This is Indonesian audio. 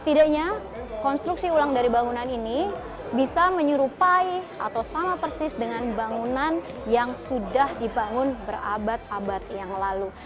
setidaknya konstruksi ulang dari bangunan ini bisa menyerupai atau sama persis dengan bangunan yang sudah dibangun berabad abad yang lalu